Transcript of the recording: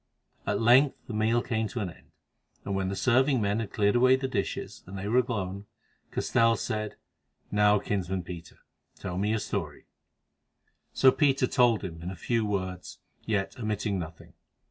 At length the meal came to an end, and when the serving men had cleared away the dishes, and they were alone, Castell said: "Now, kinsman Peter, tell me your story." So Peter told him, in few words, yet omitting nothing.